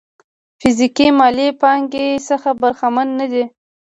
فزيکي مالي پانګې څخه برخمن نه دي.